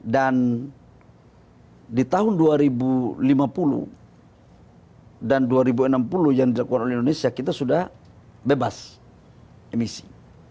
dan di tahun dua ribu lima puluh dan dua ribu enam puluh yang dijakulkan oleh indonesia kita sudah bebas emisi